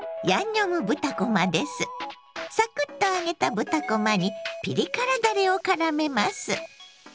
サクッと揚げた豚こまにピリ辛だれをからめます。